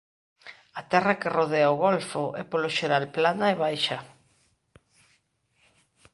A terra que rodea o golfo é polo xeral plana e baixa.